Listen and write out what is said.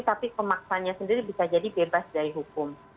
tapi pemaksanya sendiri bisa jadi bebas dari hukum